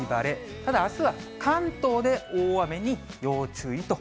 ただあすは関東で大雨に要注意と。